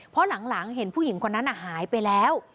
เพราะหลังเห็นผู้หญิงคนนั้นหายไปแล้ว